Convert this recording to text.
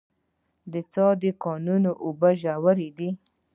د څاه ګانو اوبه ژورې دي